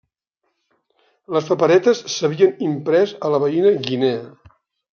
Les paperetes s'havien imprès a la veïna Guinea.